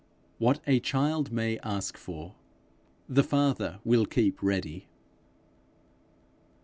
What a child may ask for, the Father will keep ready.